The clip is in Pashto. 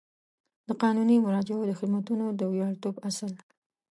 د قانوني مراجعو د خدمتونو د وړیاتوب اصل